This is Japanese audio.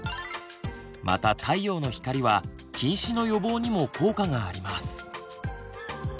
また太陽の光は近視の予防にも効果があります。